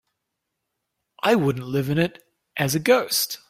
I wouldn't live in it as a ghost.